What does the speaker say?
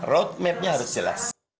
roadmapnya harus jelas